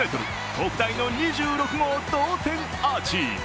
特大の２６号同点アーチ。